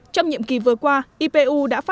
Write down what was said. trong nhiệm kỳ vừa qua